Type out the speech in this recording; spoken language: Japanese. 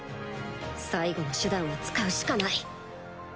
最後の手段を使うしかない